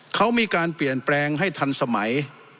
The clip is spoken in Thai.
เขามีการเปลี่ยนแปลงให้ทันสมัย